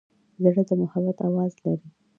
زړه د محبت آواز لري.